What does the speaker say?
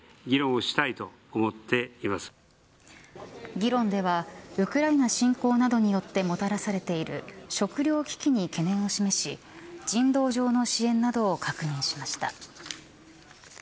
議論ではウクライナ侵攻などによってもたらされている食料危機に懸念を示し人道上の支援などを確認しました。